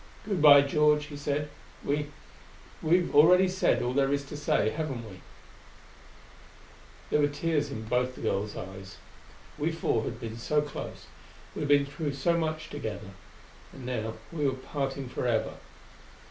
"Good by, George," he said. "We we've said already all there is to say, haven't we?" There were tears in both the girls' eyes. We four had been so close; we had been through so much together; and now we were parting forever.